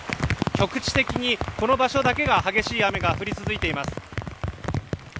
局地的に、この場所だけが激しい雨が降り続いています。